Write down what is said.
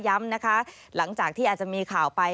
ย้ำนะคะหลังจากที่อาจจะมีข่าวไป